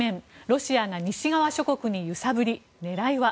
ロシアが西側諸国に揺さぶり狙いは？